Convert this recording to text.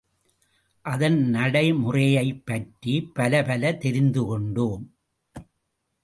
அதன் நடைமுறையைப் பற்றிப் பலப்பல தெரிந்து கொண்டோம்.